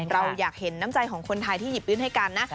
เราอยากเห็นน้ำใจของคนไทยที่หยิบยื่นให้กันนะ